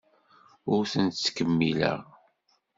Ur tent-ttkemmileɣ.